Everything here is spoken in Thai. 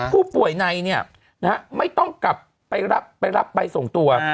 ผู้ป่วยในเนี่ยไม่ต้องกลับไปรับไปส่งตัว